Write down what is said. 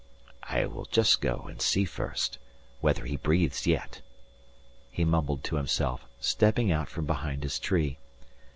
"I will just go and see first whether he breathes yet," he mumbled to himself, stepping out from behind his tree.